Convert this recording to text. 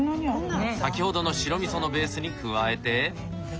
先ほどの白味噌のベースに加えて。